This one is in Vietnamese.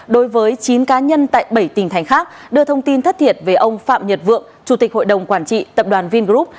đối với chín cá nhân tại bảy tỉnh thành khác đưa thông tin thất thiệt về ông phạm nhật vượng chủ tịch hội đồng quản trị tập đoàn vingroup